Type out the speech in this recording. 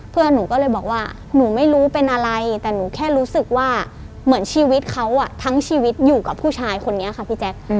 เพื่อนหนูก็เลยบอกว่าหนูไม่รู้เป็นอะไรแต่หนูแค่รู้สึกว่าเหมือนชีวิตเขาทั้งชีวิตอยู่กับผู้ชายคนนี้ค่ะพี่แจ๊ค